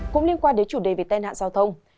cũng liên quan đến chủ đề về tai nạn giao thông